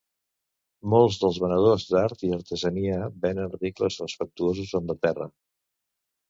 Molts dels venedors d'art i artesania venen articles respectuosos amb la Terra.